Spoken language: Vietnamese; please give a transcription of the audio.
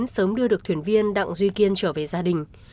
sớm đưa được thuyền viên đặng duy kiên trở về gia đình